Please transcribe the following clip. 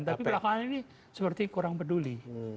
tapi belakangan ini seperti kurang peduli